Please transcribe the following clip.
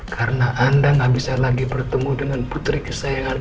karena anda gak bisa lagi bertemu dengan putri kesayangan